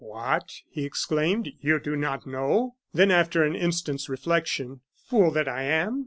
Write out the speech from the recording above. "What!" he exclaimed, "you do not know " Then after an instant's reflection: "Fool that I am!"